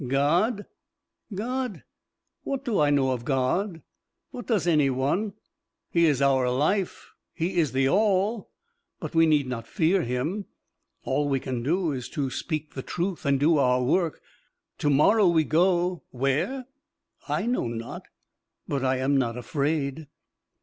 "God, God what do I know of God, what does any one! He is our life He is the All, but we need not fear Him all we can do is to speak the truth and do our work. Tomorrow we go where? I know not, but I am not afraid."